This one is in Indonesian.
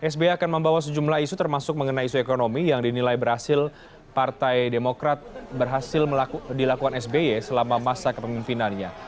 sby akan membawa sejumlah isu termasuk mengenai isu ekonomi yang dinilai berhasil partai demokrat berhasil dilakukan sby selama masa kepemimpinannya